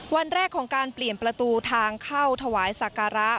วันแรกของการเปลี่ยนประตูทางเข้าถวายสักการะ